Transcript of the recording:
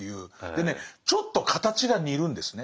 でねちょっと形が似るんですね。